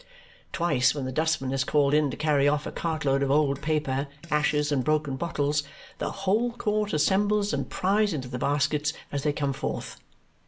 Twice when the dustman is called in to carry off a cartload of old paper, ashes, and broken bottles, the whole court assembles and pries into the baskets as they come forth.